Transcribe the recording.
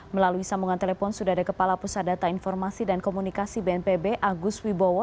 melalui sambungan telepon sudah ada kepala pusat data informasi dan komunikasi bnpb agus wibowo